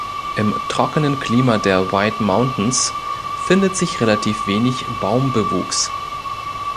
Im trockenen Klima der "White Mountains" findet sich relativ wenig Baumbewuchs.